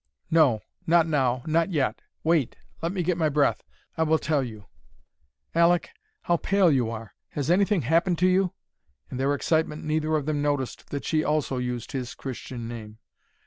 "No; not now; not yet! Wait, let me get my breath I will tell you. Aleck, how pale you are! Has anything happened to you?" In their excitement neither of them noticed that she also used his Christian name.